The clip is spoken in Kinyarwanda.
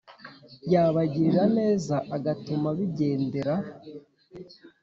yabagirira neza agatuma bigendera